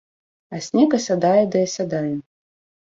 А снег асядае ды асядае.